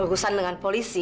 urusan dengan polisi